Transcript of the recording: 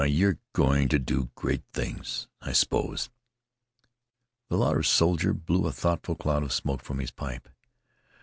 "Oh, you're going to do great things, I s'pose!" The loud soldier blew a thoughtful cloud of smoke from his pipe.